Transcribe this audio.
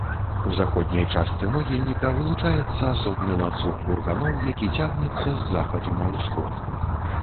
У заходняй частцы могільніка вылучаецца асобны ланцуг курганоў, які цягнецца з захаду на ўсход.